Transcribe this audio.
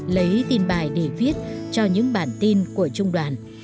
lấy tin bài để viết cho những bản tin của trung đoàn